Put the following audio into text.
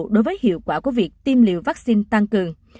đối với hiệu quả của việc tiêm liều vaccine tăng cường